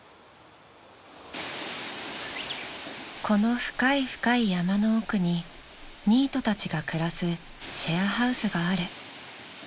［この深い深い山の奥にニートたちが暮らすシェアハウスがある］